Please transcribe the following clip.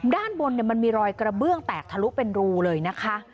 ด้านบนมันมีรอยกระเบื้องแตกทะลุเป็นรูเลยนะคะ